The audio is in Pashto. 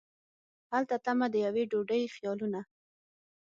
هلته تمه د یوې ډوډۍ خیالونه